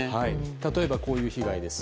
例えばこういう被害です。